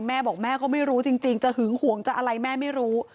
แม่บอกแม่ก็ไม่รู้จริงจะหึงห่วงจะอะไรแม่ไม่รู้